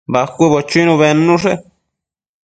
Bacuëbo chuinu bednushe